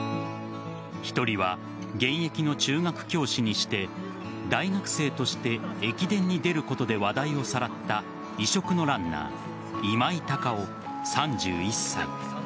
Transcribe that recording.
１人は現役の中学教師にして大学生として駅伝に出ることで話題をさらった異色のランナー今井隆生、３１歳。